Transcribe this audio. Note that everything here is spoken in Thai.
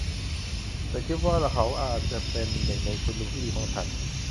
ฉันคิดว่าเขาอาจจะเป็นหนึ่งในคุณลุงที่ดีของฉัน